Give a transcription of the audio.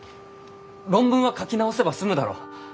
論文は書き直せば済むだろう？